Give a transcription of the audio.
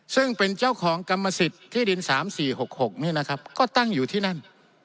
ซึ่งเป็นเจ้าของกรรมสิทธิ์ที่ดิน๓๔๖๖นี่นะครับก็ตั้งอยู่ที่นั่น